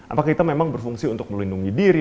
apakah kita memang berfungsi untuk melindungi diri